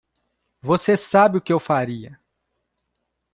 Você sabe que eu faria.